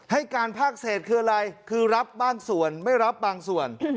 ให้การภาคเศษคืออะไรคือรับบางส่วนไม่รับบางส่วน